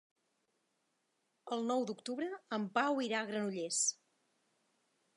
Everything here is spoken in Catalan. El nou d'octubre en Pau irà a Granollers.